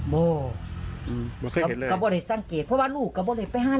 มันไม่